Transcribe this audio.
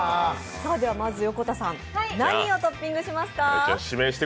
まず横田さん、何をトッピングしますか？